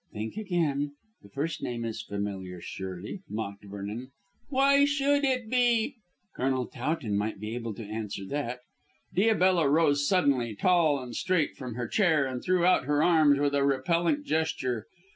"Think again. The first name is familiar, surely?" mocked Vernon. "Why should it be?" "Colonel Towton might be able to answer that." Diabella rose suddenly, tall and straight, from her chair and threw out her arms with a repellant gesture.